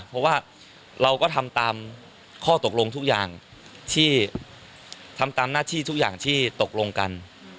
เพราะว่าเราก็ทำตามข้อตกลงทุกอย่างที่ทำตามหน้าที่ทุกอย่างที่ตกลงกัน